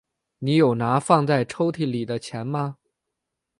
你有拿放在抽屉里的钱吗？